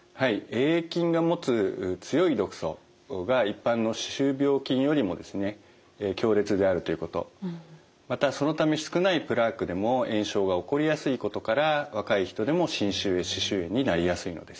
Ａ．ａ．菌が持つ強い毒素が一般の歯周病菌よりもですね強烈であるということまたそのため少ないプラークでも炎症が起こりやすいことから若い人でも侵襲性歯周炎になりやすいのです。